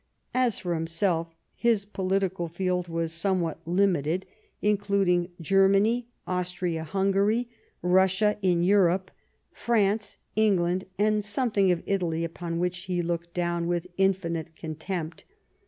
As for himself, his political field was somewhat limited, including Germany, Austria 210 Last Fights Hungary, Russia in Europc, France, England and something of Italy, upon which he looked down with infinite contempt.